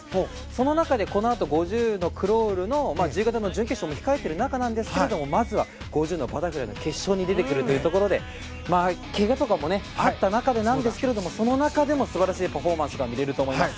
その中でこのあと５０のクロールの自由形の準決勝も控えている中ですがまずは５０のバタフライの決勝に出てくるということでけがなどもあった中ですがその中でも素晴らしいパフォーマンスが見れると思います。